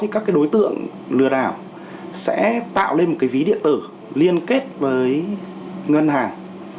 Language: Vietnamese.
các đối tượng lừa đảo sẽ tạo lên một ví điện tử liên kết với ngân hàng